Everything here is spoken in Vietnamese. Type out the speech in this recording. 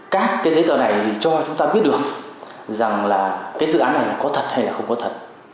các giấy tờ này cho chúng ta biết được rằng dự án này có thật hay không có thật